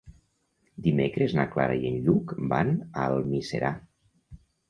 Dimecres na Clara i en Lluc van a Almiserà.